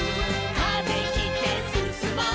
「風切ってすすもう」